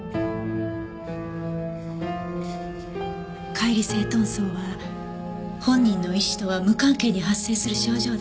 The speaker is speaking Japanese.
解離性遁走は本人の意思とは無関係に発生する症状です。